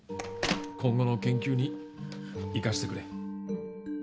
今後の研究に生かしてくれ